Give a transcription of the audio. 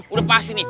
udah pasti nih